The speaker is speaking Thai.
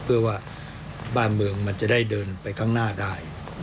เพื่อว่าบ้านเมืองมันจะได้เดินไปข้างหน้าได้